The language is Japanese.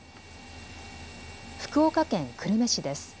福岡県久留米市です。